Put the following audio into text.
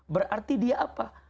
berarti dia apa